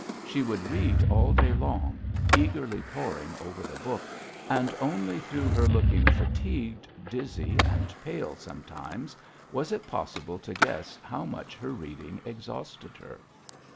She would read all day long, eagerly poring over the book, and only through her looking fatigued, dizzy, and pale sometimes, was it possible to guess how much her reading exhausted her.